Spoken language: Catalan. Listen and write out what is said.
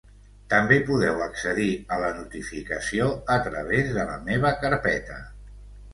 També podeu accedir a la notificació a través de La meva carpeta.